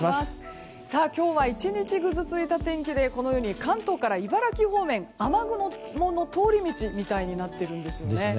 今日は１日ぐずついた天気でこのように関東から茨城方面雨雲の通り道みたいになっているんですね。